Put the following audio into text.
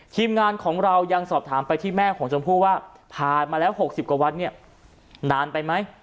ทีมงานของเรายังสอบถามไปที่แม่ของชมพู่ว่าผ่านมาแล้ว๖๐กว่าวันเนี่ยนานไปไหม